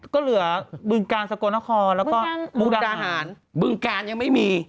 ก็เหลือบึงกาลสกลนครแล้วก็มุกดาหารบึงกาลยังไม่มี